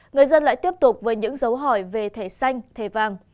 người dân lại tiếp tục với những dấu hỏi về thẻ xanh thẻ vàng